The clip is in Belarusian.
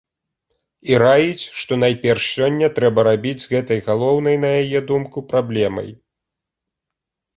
І раіць, што найперш сёння трэба рабіць з гэтай галоўнай, на яе думку, праблемай.